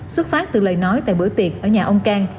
xuất phát từ lời nói tại bữa tiệc ở nhà ông cang